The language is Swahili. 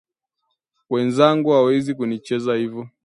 Wenzangu hawezi kunicheza hivyo